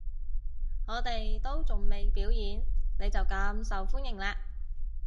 我哋都仲未表演，你就咁受歡迎喇